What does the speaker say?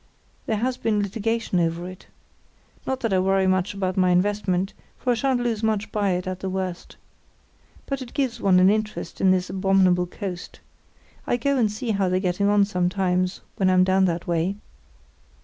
_ There has been litigation over it. Not that I worry much about my investment; for I shan't lose much by it at the worst. But it gives one an interest in this abominable coast. I go and see how they're getting on sometimes, when I'm down that way."